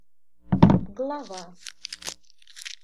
глава